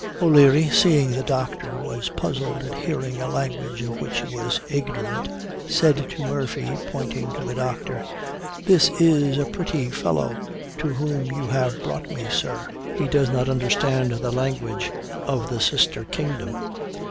O'Leary, seeing the doctor was puzzled at hearing a language of which he was ignorant, said to Murphy, pointing to the doctor, 'This is a pretty fellow to whom you have brought me. Sir, he does not understand the language of the sister kingdom.'